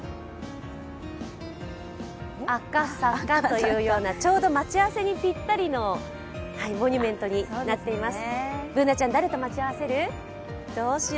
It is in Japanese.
ＡＫＡＳＡＫＡという、ちょうど待ち合わせにぴったりのモニュメントになっています。